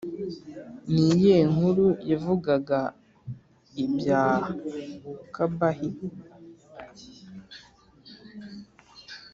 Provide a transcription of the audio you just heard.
ni iyihe nkuru yavugaga ibya kaʽbah?